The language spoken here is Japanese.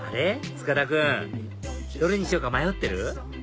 塚田君どれにしようか迷ってる？